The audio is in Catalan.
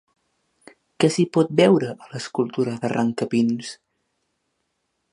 Què s'hi pot veure a l'escultura d'Arrancapins?